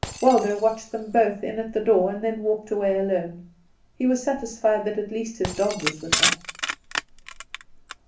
Waldo watched them both in at the door and then walked away alone. He was satisfied that at least his dog was with her.